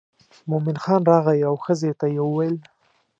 مومن خان راغی او ښځې ته یې وویل.